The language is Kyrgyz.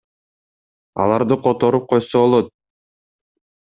Аларды которуп койсо болот.